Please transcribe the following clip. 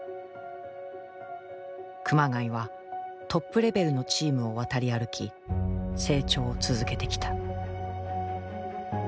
熊谷はトップレベルのチームを渡り歩き成長を続けてきた。